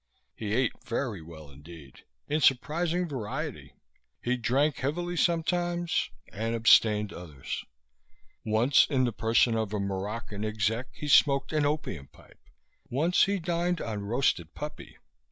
He ate very well indeed in surprising variety. He drank heavily sometimes and abstained others. Once, in the person of a Moroccan exec, he smoked an opium pipe; once he dined on roasted puppy.